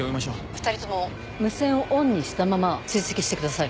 ２人とも無線をオンにしたまま追跡してください。